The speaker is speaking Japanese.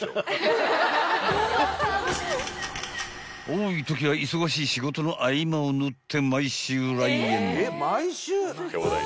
［多いときは忙しい仕事の合間を縫って毎週来園］